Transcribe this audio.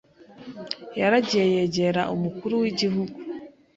yaragiye yegera umukuru w'igihugu